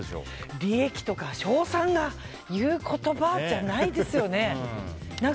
利益とか、小３が言う言葉じゃないですよね。